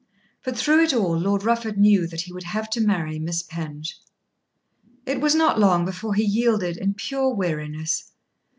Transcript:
But through it all Lord Rufford knew that he would have to marry Miss Penge. It was not long before he yielded in pure weariness.